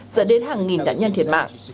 dẫn đến hàng nghìn đánh nhân thiệt mạng